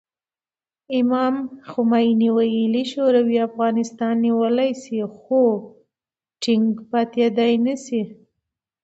امام خمیني ویلي، شوروي افغانستان نیولی شي خو ټینګ پاتې نه شي.